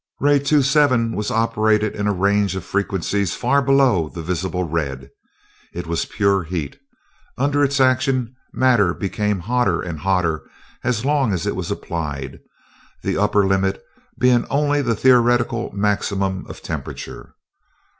Ray two seven was operated in a range of frequencies far below the visible red. It was pure heat under its action matter became hotter and hotter as long as it was applied, the upper limit being only the theoretical maximum of temperature.